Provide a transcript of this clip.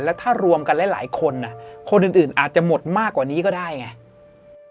แล้วถ้ารวมกันหลายคนคนอื่นอาจจะหมดมากกว่านี้ก็ได้ไง